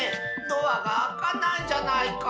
ドアがあかないじゃないか。